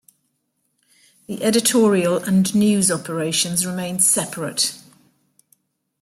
The editorial and news operations remained separate.